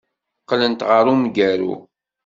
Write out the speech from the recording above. Qqlent ɣer umgaru.